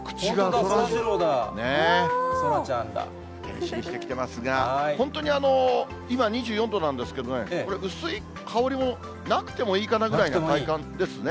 本当だ、変身してきていますが、本当に今２４度なんですけどね、これ、薄い羽織りもの、なくてもいいかなぐらいな体感ですね。